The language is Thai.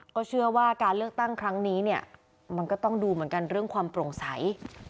ก็เชื่อว่าการเลือกตั้งครั้งนี้เนี่ยมันก็ต้องดูเหมือนกันเรื่องความโปร่งใส